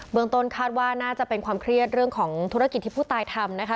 เมืองต้นคาดว่าน่าจะเป็นความเครียดเรื่องของธุรกิจที่ผู้ตายทำนะคะ